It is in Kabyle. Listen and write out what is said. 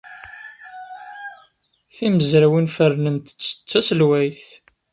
Timezrawin fernent-tt d taselwayt.